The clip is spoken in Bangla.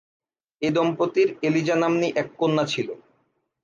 এ দম্পতির এলিজা নাম্নী এক কন্যা ছিল।